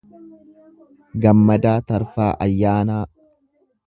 Gammadaa Tarfaa Ayyaanaa